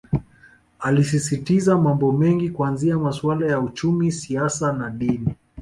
Alisisitiza mambo mengi kuanzia masuala ya uchumi siasa na dini